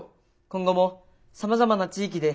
今後もさまざまな地域で。